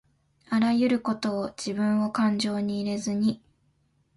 あらゆることをじぶんをかんじょうに入れずに